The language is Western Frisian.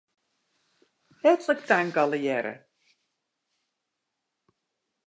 Hertlik tank allegearre.